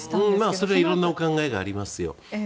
それは色んなお考えがありますよ。